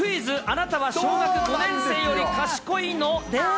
あなたは小学５年生より賢いの？です。